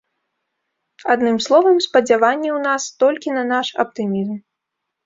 Адным словам, спадзяванні ў нас толькі на наш аптымізм.